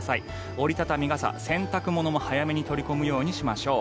折り畳み傘、洗濯物も早めに取り込むようにしましょう。